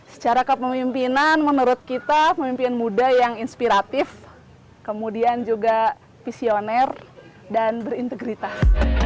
secara kepemimpinan menurut kita pemimpin muda yang inspiratif kemudian juga visioner dan berintegritas